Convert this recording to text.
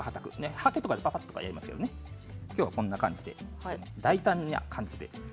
はけとかでぱぱっとやりますが今日はこんな感じで大胆な感じで。